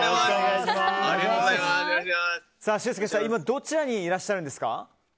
今どちらにいらっしゃるんですか？